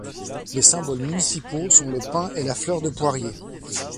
Les symboles municipaux sont le pin et la fleur de poirier.